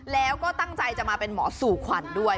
แล้วก็ตั้งใจจะมาเป็นหมอสู่ขวัญด้วย